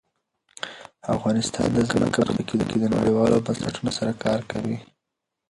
افغانستان د ځمکه په برخه کې نړیوالو بنسټونو سره کار کوي.